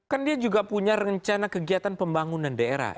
kan dia juga punya rencana kegiatan pembangunan daerah